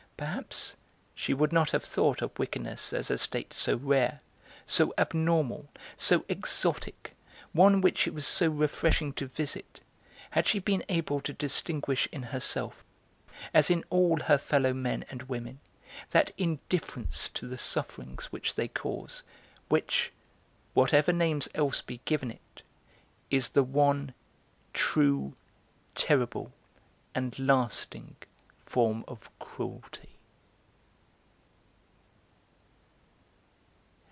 Perhaps she would not have thought of wickedness as a state so rare, so abnormal, so exotic, one which it was so refreshing to visit, had she been able to distinguish in herself, as in all her fellow men and women, that indifference to the sufferings which they cause which, whatever names else be given it, is the one true, terrible and lasting form of cruelty.